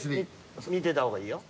見てた方がいいよ。